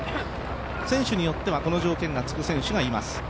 選手によってはこの条件がつく選手がいます。